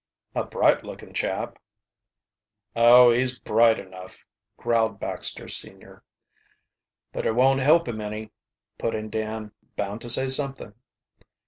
"A bright looking chap." "Oh, he's bright enough," growled Baxter senior. "But it won't help him any," put in Dan, bound to say something.